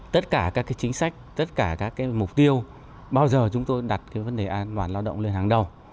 tất cả các chính sách tất cả các mục tiêu bao giờ chúng tôi đặt vấn đề an toàn lao động lên hàng đầu